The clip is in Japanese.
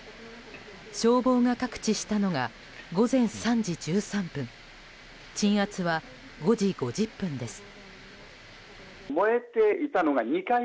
消防が覚知したのが午前３時１３分鎮圧は５時５０分です。